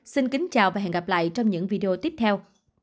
xin kính chào và hẹn gặp lại trong những video tiếp theo